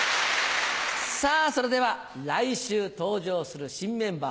さぁそれでは来週登場する新メンバー